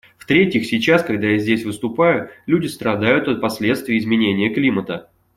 В-третьих, сейчас, когда я здесь выступаю, люди страдают от последствий изменения климата.